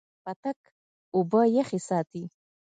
پتک اوبه یخې ساتي.